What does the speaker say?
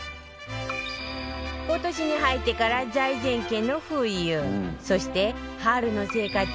今年に入ってから財前家の冬そして春の生活をのぞき見